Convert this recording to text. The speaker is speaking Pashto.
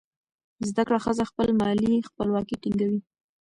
زده کړه ښځه خپله مالي خپلواکي ټینګوي.